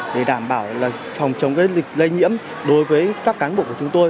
để đảm bảo phòng chống lây nhiễm đối với các cán bộ của chúng tôi